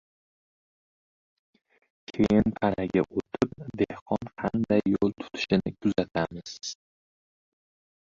Keyin panaga oʻtib, dehqon qanday yoʻl tutishini kuzatamiz.